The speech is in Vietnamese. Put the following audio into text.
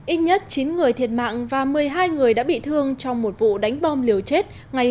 ít nhất chín người thiệt mạng và một mươi hai người đã bị thương trong một vụ đánh bom liều chết